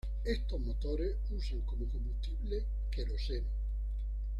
Estos motores usan como combustible queroseno.